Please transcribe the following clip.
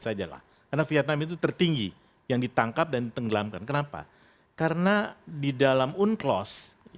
sajalah karena vietnam itu tertinggi yang ditangkap dan tenggelamkan kenapa karena didalam unclosed